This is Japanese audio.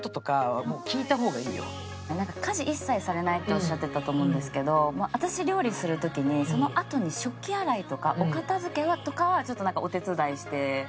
なんか「家事一切されない」っておっしゃってたと思うんですけど私料理する時にそのあとに食器洗いとかお片付けとかはちょっとお手伝いしていただいたり。